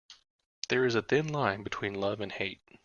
There is a thin line between love and hate.